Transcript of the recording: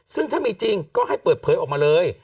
ซึ่งถ้ามีจริงก็ให้เปิดเผยออกมาเลย